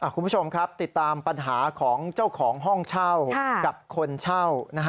คุณผู้ชมครับติดตามปัญหาของเจ้าของห้องเช่ากับคนเช่า